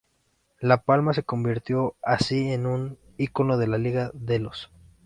La palma se convirtió así en un icono de la Liga de Delos.